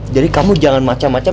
jadi kamu jangan macam macam